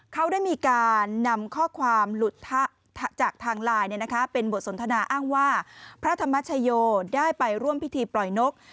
เขาได้มีการนำข้อความหลุดจากทางไลน์เป็นบทสนทนาอ้างว่าพระธรรมชโยได้ไปร่วมพิธีปล่อยนก